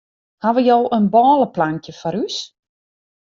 Hawwe jo in bôleplankje foar ús?